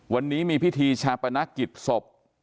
วันนี้มีพิธีชาปนกิจศพ